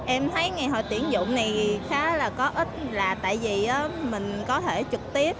em thấy ngày hội tiễn dụng này khá là có ích là tại vì mình có thể trực tiếp